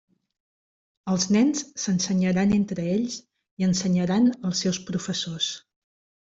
Els nens s'ensenyaran entre ells i ensenyaran als seus professors.